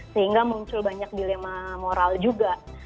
sehingga muncul banyak dilema moral juga